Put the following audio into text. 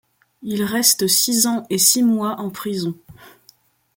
Il reste six ans et six mois en prison.